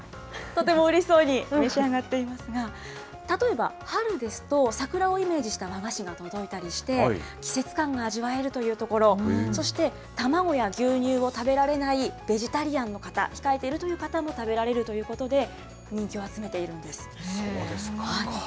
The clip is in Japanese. とてもうれしそうに召し上がっていますが、例えば、春ですと、桜をイメージした和菓子が届いたりして、季節感が味わえるというところ、そして、卵や牛乳を食べられないベジタリアンの方、控えているという方も食べられるということで、人気を集めているんです。